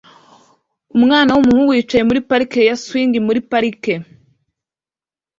Umwana w'umuhungu yicaye muri parike ya swing muri parike